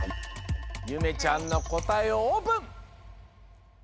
ゆめちゃんのこたえをオープン！